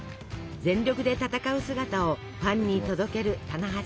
全力で戦う姿をファンに届ける棚橋さん。